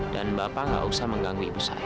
dan bapak enggak usah mengganggu ibu saya